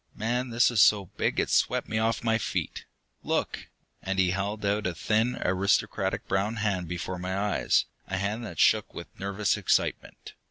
Man this is so big it's swept me off my feet! Look!" And he held out a thin, aristocratic brown hand before my eyes, a hand that shook with nervous excitement.